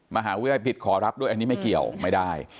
มหาวิทยาลัยผิดขอรับด้วยอันนี้ไม่เกี่ยวไม่ได้